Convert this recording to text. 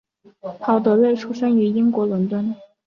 陶德瑞出生于英国伦敦。